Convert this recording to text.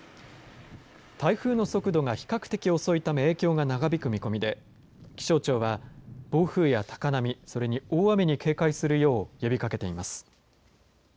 台風の速度が比較的遅いため影響が長引く見込みで気象庁は、暴風や高波それに大雨に警戒するよう呼びかけています。